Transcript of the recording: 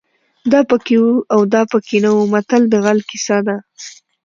دا پکې وو او دا پکې نه وو متل د غل کیسه ده